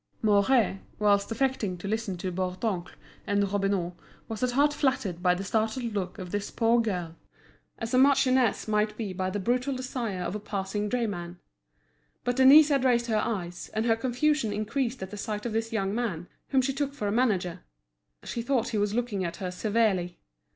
Mouret, whilst affecting to listen to Bourdoncle and Robineau, was at heart flattered by the startled look of this poor girl, as a marchioness might be by the brutal desire of a passing drayman. But Denise had raised her eyes, and her confusion increased at the sight of this young man, whom she took for a manager. She thought he was looking at her severely.